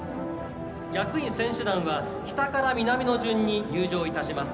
役員、選手団は北から南の順に入場いたします。